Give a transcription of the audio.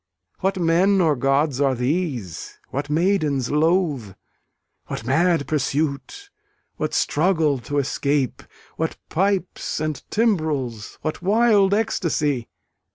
What men or gods are these? what maidens loath? What mad pursuit? What struggle to escape? What pipes and timbrels? What wild ecstasy?